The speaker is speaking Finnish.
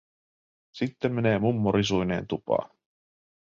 Sitten menee mummo risuineen tupaan.